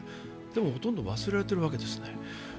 でもほとんど忘れられているわけですね。